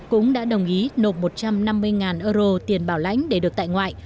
cũng đã đồng ý nộp một trăm năm mươi euro tiền bảo lãnh để được tại ngoại